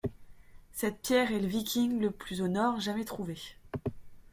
Cette pierre est l’ viking le plus au nord jamais trouvé.